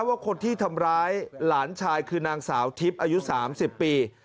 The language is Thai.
ว่าคนที่ทำร้ายหลานชายคือนางสาวทิพย์อายุ๓๐ปี